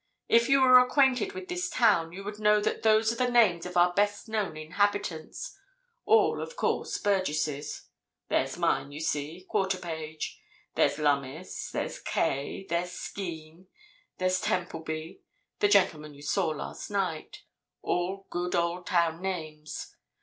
"If you were acquainted with this town you would know that those are the names of our best known inhabitants—all, of course, burgesses. There's mine, you see—Quarterpage. There's Lummis, there's Kaye, there's Skene, there's Templeby—the gentlemen you saw last night. All good old town names.